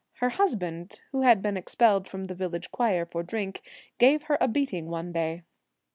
Her husband, who had been expelled from the village choir for drink, gave her a beating one day.